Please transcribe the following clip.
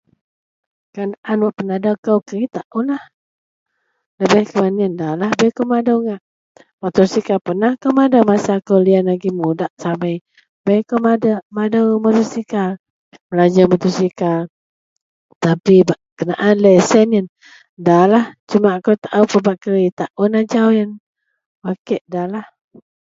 Kenderaan wak penadou kou keritak unlah. Lebeh kuman yen ndalah agei akou madou ngak. Motosikal penah akou madou masa akou liyan agei mudak sabei bei akou madou motosikal, belajer motosikal tapi ba kenaan lesen yen ndalah. Sumak akou taou pebak keritak un ajau yen. Wak kek ndalah.